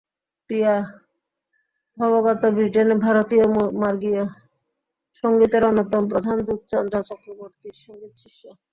প্রিয়া ভগবত ব্রিটেনে ভারতীয় মার্গীয় সংগীতের অন্যতম প্রধান দূত চন্দ্রা চক্রবর্তীর সংগীত-শিষ্য।